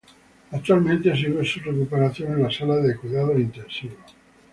Actualmente sigue su recuperación en la Sala de Cuidados Intensivos.